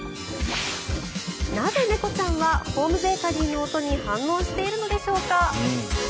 なぜ、猫ちゃんはホームベーカリーの音に反応しているのでしょうか。